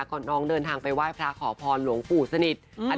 คนน้องเดินทางไปไหว้พระขอพรหลวงภูษนิษฐ์